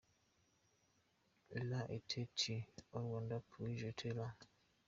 Il a été tué au Rwanda puis jeté là.